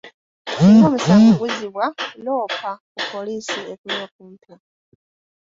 Singa omusango guzzibwa, loopa ku poliisi ekuli okumpi.